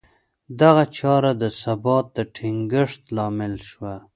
دغه چاره د ثبات د ټینګښت لامل شوه